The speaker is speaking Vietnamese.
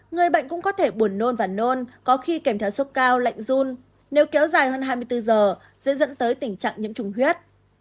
người bệnh cũng có thể buồn nôn và nôn có khi kèm theo sốc cao lạnh run nếu kéo dài hơn hai mươi bốn giờ sẽ dẫn tới tình trạng nhiễm trùng huyết